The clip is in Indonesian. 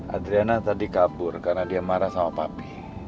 adriana tadi kabur karena dia marah sama papi